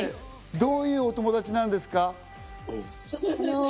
どういうお友達なんですか？